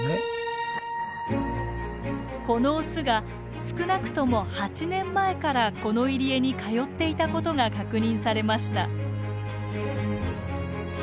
このオスが少なくとも８年前からこの入り江に通っていたことが確認されました。